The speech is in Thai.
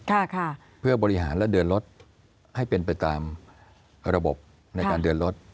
ค่ะค่ะเพื่อบริหารและเดินรถให้เป็นไปตามระบบในการเดินรถ